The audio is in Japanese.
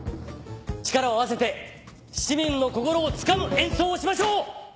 力を合わせて市民の心をつかむ演奏をしましょう！